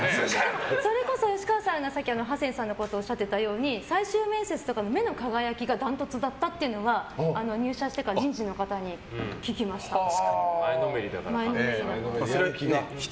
それこそ吉川さんがさっきハセンさんのことをおっしゃっていたように最終面接とかの目の輝きが断トツだったっていうのが入社してから前のめりだからね。